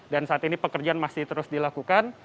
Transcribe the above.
saat ini pekerjaan masih terus dilakukan